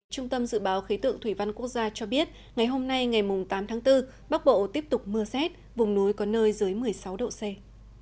trung tâm dự báo khí tượng thủy văn quốc gia cho biết ngày hôm nay ngày tám tháng bốn bắc bộ tiếp tục mưa xét vùng núi có nơi dưới một mươi sáu độ c